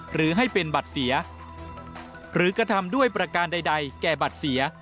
หรือให้เป็นบัตรเสียหรือกระทำด้วยประการใดแก่บัตรเสีย